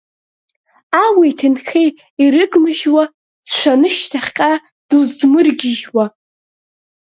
Ауеи-ҭынхеи ирыгмыжьуа, дшәаны шьҭахьҟа дузмыргьыжьуа.